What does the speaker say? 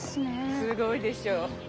すごいでしょ。